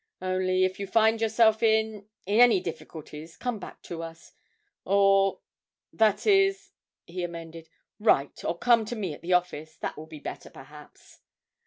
Only, if you find yourself in in any difficulties, come back to us, or that is,' he amended, 'write, or come to me at the office, that will be better, perhaps.'